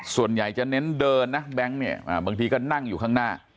ส่วนใหญ่จะเน้นเดินนะแบงค์เนี่ยบางทีก็นั่งอยู่ข้างหน้า